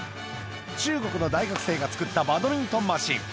中国の大学生が作ったバドミントンマシン。